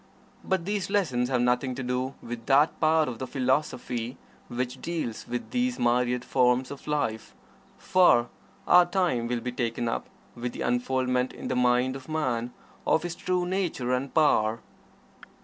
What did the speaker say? But these lessons have nothing to do with that part of the philosophy which deals with these myriad forms of life, for our time will be taken up with the unfoldment in the mind of man of his true nature and power.